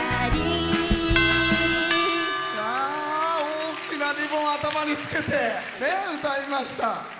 大きなリボン頭につけて歌いました。